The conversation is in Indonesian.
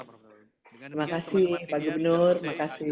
terima kasih pak gubernur terima kasih